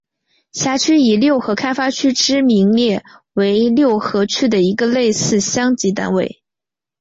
辖区以六合开发区之名列为六合区的一个类似乡级单位。